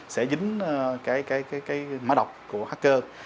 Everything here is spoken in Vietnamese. sẽ dính cái mã đọc của hacker